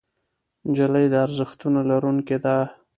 نجلۍ د ارزښتونو لرونکې ده.